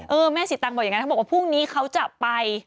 แม่สีตังบอกอย่างนั้นเขาบอกว่าพรุ่งนี้เขาจะไป